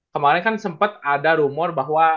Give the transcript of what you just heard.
kemarin kan sempat ada rumor bahwa